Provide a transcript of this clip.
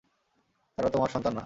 তারা তোমার সন্তান না।